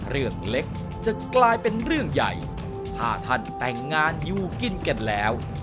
เรื่องเล็กจะกลายเป็นเรื่องใหญ่ถ้าท่านแต่งงานอยู่กินกันแล้ว